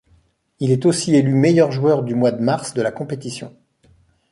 Il est aussi élu meilleur joueur du mois de mars de la compétition.